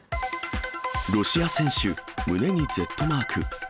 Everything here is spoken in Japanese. ロシア選手、胸にＺマーク。